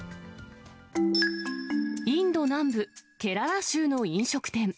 インド南部ケララ州の飲食店。